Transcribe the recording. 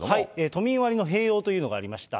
都民割の併用というのがありました。